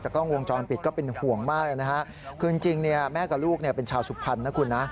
จากกล้องวงจอนปิดก็เป็นห่วงมากเลยนะฮะผมจริงเนี่ยแม่กับลูกเนี่ยเป็นชาวสุคัญน่ะ